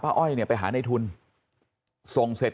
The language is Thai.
ครับคุณสาวทราบไหมครับ